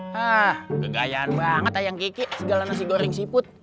hah kegayaan banget ayam kiki segala nasi goreng seafood